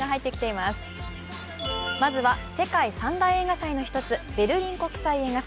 まずは世界３大映画祭の一つベルリン国際映画祭。